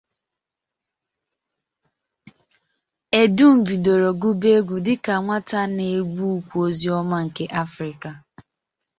Edun bidoro gụba egwu dịka nwata n’egwu ukwe ozioma nke Africa.